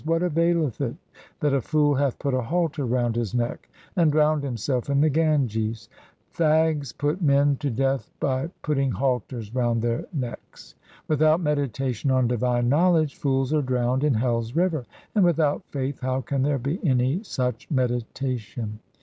What availeth it that a fool hath put a halter round his neck and drowned himself in the Ganges ? Thags put men to death by putting halters round their necks. Without meditation on divine knowledge fools are drowned in hell's river ; and without faith how can there be any such meditation